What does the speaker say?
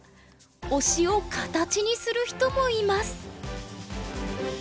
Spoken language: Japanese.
推しをカタチにする人もいます。